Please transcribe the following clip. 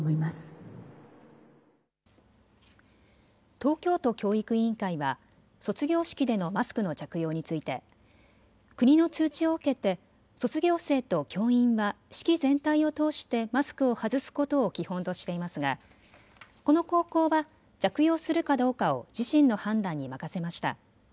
東京都教育委員会は卒業式でのマスクの着用について国の通知を受けて卒業生と教員は式全体を通してマスクを外すことを基本としていますがこの高校は着用するかどうかを自身の判断に任せました。